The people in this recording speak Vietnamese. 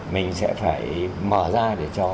mình sẽ phải mở ra để cho